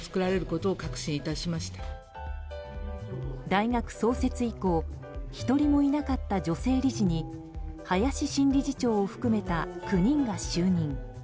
大学創設以降１人もいなかった女性理事に林新理事長を含めた９人が就任。